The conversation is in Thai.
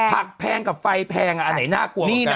แพงกับไฟแพงอันไหนน่ากลัวเหมือนกัน